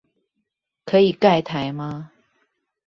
可以蓋台嗎